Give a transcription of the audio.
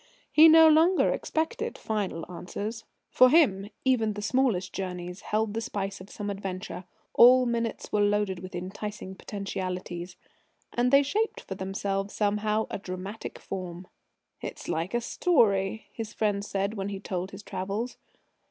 He no longer expected final answers. For him, even the smallest journeys held the spice of some adventure; all minutes were loaded with enticing potentialities. And they shaped for themselves somehow a dramatic form. "It's like a story," his friends said when he told his travels.